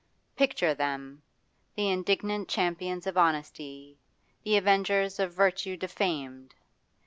Picture them, the indignant champions of honesty, the avengers of virtue defamed!